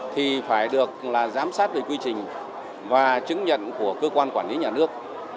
thì phải được giám sát về quy trình và chứng nhận của cơ quan quản lý nhà nước